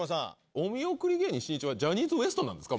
お見送り芸人しんいちはジャニーズＷＥＳＴなんですか？